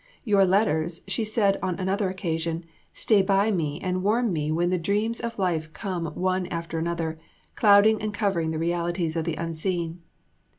"Your letters," she said on another occasion, "stay by me and warm me when the dreams of life come one after another, clouding and covering the realities of the unseen."